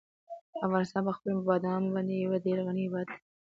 افغانستان په خپلو بادامو باندې یو ډېر غني هېواد دی.